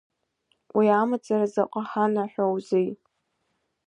Уи амацара заҟа ҳанаҳәоузеи.